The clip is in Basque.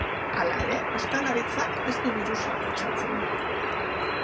Hala ere, ostalaritzak ez du birusa kutsatzen.